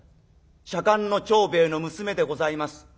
『左官の長兵衛の娘でございます』。